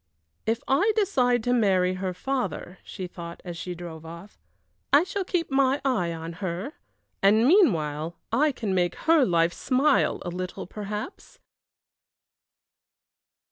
"If I decide to marry her father," she thought, as she drove off, "I shall keep my eye on her, and meanwhile I can make her life smile a little perhaps!"